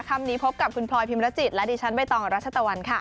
คำนี้พบกับคุณพลอยพิมรจิตและดิฉันใบตองรัชตะวันค่ะ